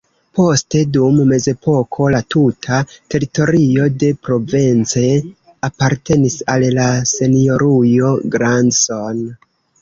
Poste dum mezepoko la tuta teritorio de Provence apartenis al la Senjorujo Grandson.